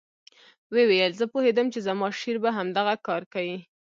ويې ويل زه پوهېدم چې زما شېر به همدغه کار کيي.